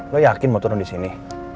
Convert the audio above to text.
lo yakin mau turun disini